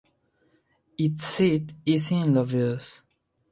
Its seat is in Louviers.